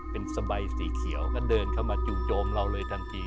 เป็นสบายสีเขียวก็เดินเข้ามาจู่โจมเราเลยทันที